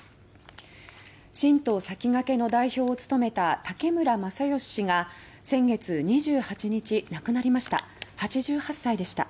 新党さきがけの代表を務めた武村正義氏が先月２８日、亡くなりました。